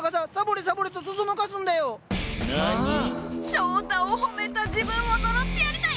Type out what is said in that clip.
翔太を褒めた自分を呪ってやりたい！